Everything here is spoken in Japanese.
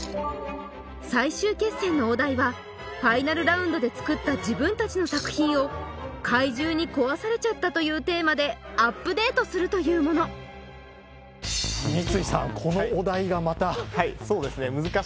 最終決戦のお題はファイナルラウンドで作った自分達の作品を怪獣に壊されちゃったというテーマでアップデートするというものまたはいそうですね